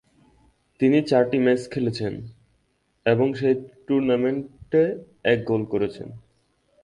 তিনি চারটি ম্যাচ খেলেছেন এবং সেই টুর্নামেন্টে এক গোল করেছেন।